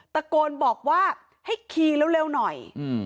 ตะโกนบอกว่าให้ขี่เร็วหน่อย